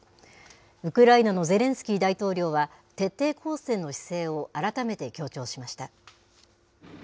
ウクライナのゼレンスキー大統領は、徹底抗戦の姿勢を改めて強調しました。